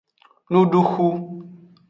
Nuduxu.